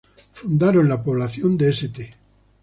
Fundaron la población de St.